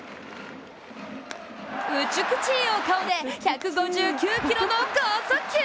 美ちいお顔で１５９キロの剛速球。